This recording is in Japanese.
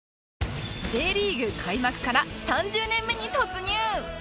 Ｊ リーグ開幕から３０年目に突入